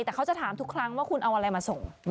แต่เขาจะถามทุกครั้งว่าคุณเอาอะไรมาส่ง